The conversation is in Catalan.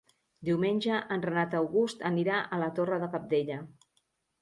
Diumenge en Renat August anirà a la Torre de Cabdella.